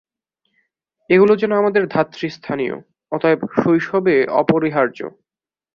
এগুলি যেন আমাদের ধাত্রীস্থানীয়, অতএব শৈশবে অপরিহার্য।